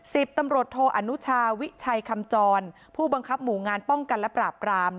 สิบตำรวจโทอนุชาวิชัยคำจรผู้บังคับหมู่งานป้องกันและปราบราม